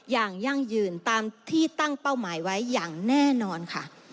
ยั่งยืนตามที่ตั้งเป้าหมายไว้อย่างแน่นอนค่ะ